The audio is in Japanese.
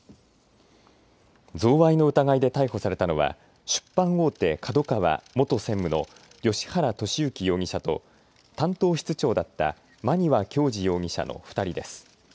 贈賄の疑いで逮捕されたのは出版大手、ＫＡＤＯＫＡＷＡ元専務の芳原世幸容疑者と担当室長だった馬庭教二容疑者の２人です。